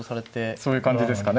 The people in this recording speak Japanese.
そういう感じですかね。